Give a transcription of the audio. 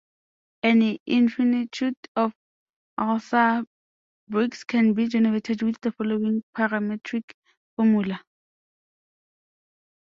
An infinitude of Euler bricks can be generated with the following parametric formula.